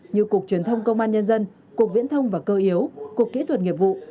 như cục truyền thông công an nhân dân cục viễn thông và cơ yếu cục kỹ thuật nghiệp vụ